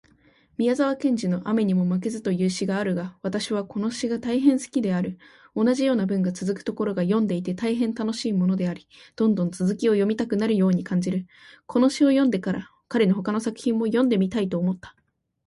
宮沢賢治のアメニモマケズという詩があるが私はこの詩が大変好きである。同じような文がつづくところが読んでいて大変楽しいものであり、どんどん続きを読みたくなるように感じる。この詩を読んでから、彼の他の作品も読んでみたいと思った。